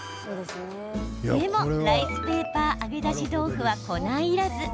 でも、ライスペーパー揚げ出し豆腐は粉いらず。